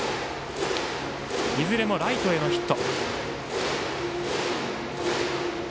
いずれもライトへのヒット。